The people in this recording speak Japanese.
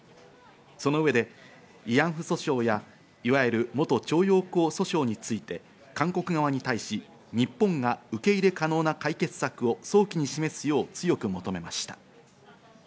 その上で慰安婦訴訟や、いわゆる元徴用工訴訟について韓国側に対し、日本が受け入れ可能な解決策を早期に示すよう強く求めました。